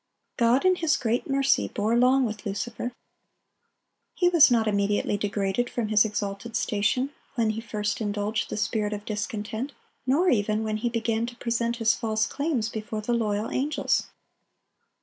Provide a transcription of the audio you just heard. God, in His great mercy, bore long with Lucifer. He was not immediately degraded from his exalted station when he first indulged the spirit of discontent, nor even when he began to present his false claims before the loyal angels.